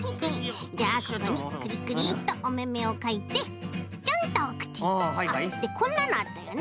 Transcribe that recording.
じゃあここにクリクリッとおめめをかいてチョンとおくち。でこんなのあったよね。